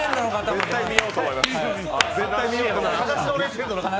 絶対見ようと思います。